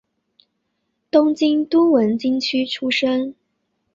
东京都文京区出身。